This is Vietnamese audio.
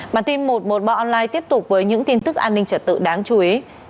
bản tin một trăm một mươi ba online tiếp tục với những tin tức an ninh trở tự đáng chú ý